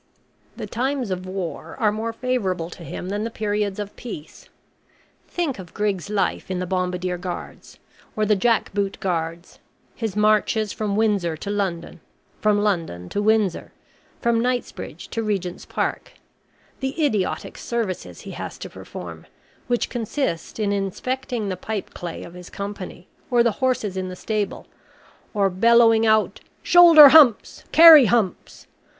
The times of war are more favourable to him than the periods of peace. Think of Grig's life in the Bombardier Guards, or the Jack boot Guards; his marches from Windsor to London, from London to Windsor, from Knightsbridge to Regent's Park; the idiotic services he has to perform, which consist in inspecting the pipeclay of his company, or the horses in the stable, or bellowing out 'Shoulder humps! Carry humps!'